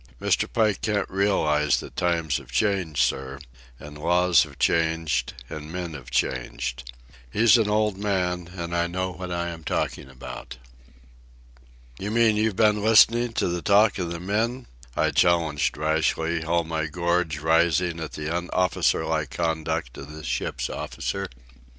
Mr. Pike can't realize that times have changed, sir, and laws have changed, and men have changed. He's an old man, and I know what I am talking about." "You mean you've been listening to the talk of the men?" I challenged rashly, all my gorge rising at the unofficerlike conduct of this ship's officer.